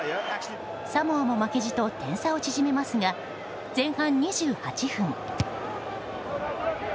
サモアも負けじと点差を縮めますが前半２８分。